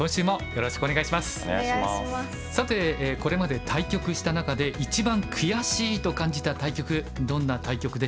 さてこれまで対局した中で一番悔しいと感じた対局どんな対局でしょうか安田さん。